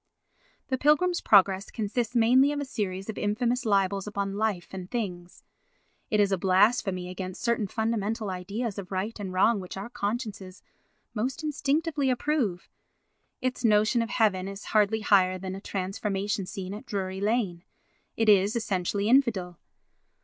The Pilgrim's Progress consists mainly of a series of infamous libels upon life and things; it is a blasphemy against certain fundamental ideas of right and wrong which our consciences most instinctively approve; its notion of heaven is hardly higher than a transformation scene at Drury Lane; it is essentially infidel.